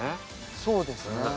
そうですね。